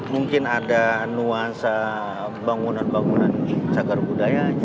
mungkin ada nuansa bangunan bangunan cagar budaya